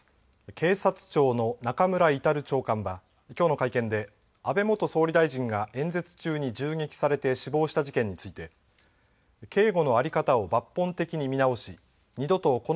警察庁の中村格長官はきょうの会見で安倍元総理大臣が演説中に銃撃されて死亡した事件について警護の在り方を抜本的に見直し